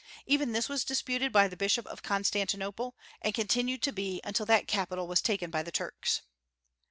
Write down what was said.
Even this was disputed by the Bishop of Constantinople, and continued to be until that capital was taken by the Turks.